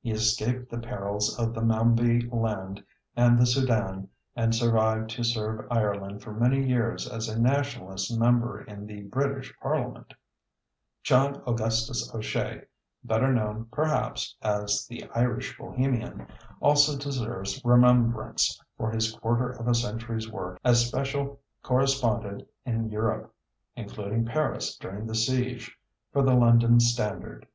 He escaped the perils of the Mambi Land and the Sudan, and survived to serve Ireland for many years as a Nationalist member in the British parliament. John Augustus O'Shea, better known, perhaps, as "The Irish Bohemian", also deserves remembrance for his quarter of a century's work as special correspondent in Europe including Paris during the siege for the London Standard.